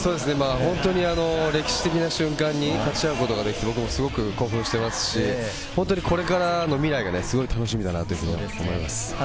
本当に歴史的な瞬間に立ち会うことができて僕もすごく興奮してますし、本当にこれからの未来がすごい楽しみだなと思います。